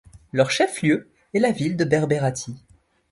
Leur chef-lieu est la ville de Berberati.